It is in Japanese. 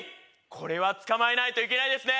これは捕まえないといけないですね